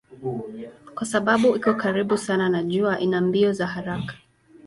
Kwa sababu iko karibu sana na jua ina mbio za haraka.